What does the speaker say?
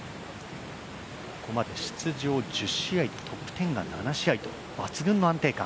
ここまで出場１０試合でトップ１０が７試合と、抜群の安定感。